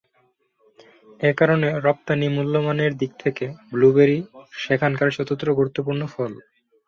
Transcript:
এ কারণে রপ্তানি মূল্যমানের দিক থেকে ব্লুবেরি সেখানকার চতুর্থ গুরুত্বপূর্ণ ফল।